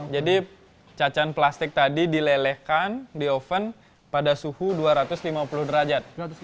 jadi cacahan plastik tadi dilelehkan di oven pada suhu dua ratus lima puluh derajat